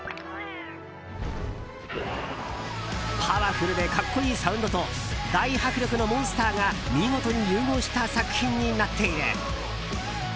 パワフルで格好いいサウンドと大迫力のモンスターが見事に融合した作品になっている。